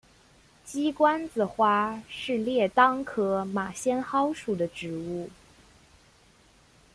鸡冠子花是列当科马先蒿属的植物。